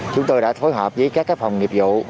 chúng tôi đã phối hợp với các phòng nghiệp vụ